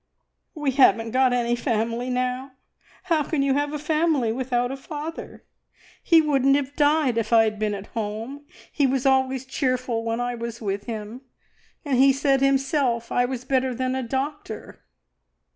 "We haven't got any family now! How can you have a family without a father? He wouldn't have died if I had been at home. He was always cheerful when I was with him, and he said himself I was better than a doctor.